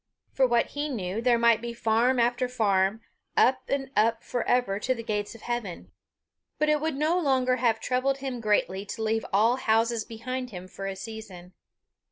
For what he knew, there might be farm after farm, up and up for ever, to the gates of heaven. But it would no longer have troubled him greatly to leave all houses behind him for a season.